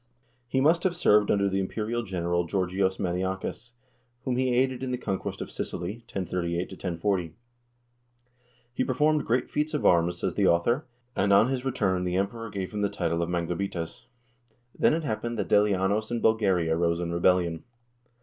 He must have served under the imperial general Georgios Maniakes, whom he aided in the conquest of Sicily, 1038 1040. He performed great feats of arms, says the author, and on his return the Emperor gave him the title of "manglabites." Then it happened that Delianos in Bulgaria rose in rebellion.